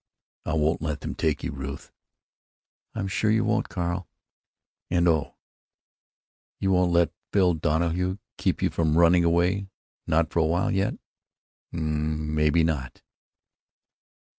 I won't let them take you, Ruth." "I'm sure you won't, Carl." "And—oh—you won't let Phil Dunleavy keep you from running away, not for a while yet?" "M maybe not."